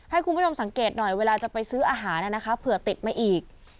ให้คุณผู้ชมสังเกตหน่อยเวลาจะไปซื้ออาหารเผื่อติดมาอีก